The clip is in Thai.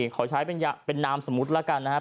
ขอใช้เป็นนามสมุทรละกันนะครับ